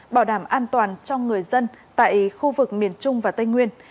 bảo đảm an toàn cho người dân tại khu vực miền trung và tây nguyên